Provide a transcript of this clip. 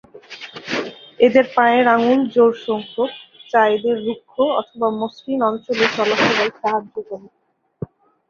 এদের পায়ের আঙ্গুল জোর সংখ্যক, যা এদের রুক্ষ অথবা মসৃণ অঞ্চলে চলাফেরায় সাহায্য করে।